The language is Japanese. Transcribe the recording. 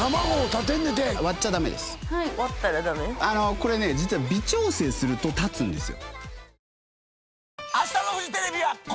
これね実は微調整すると立つんですよ。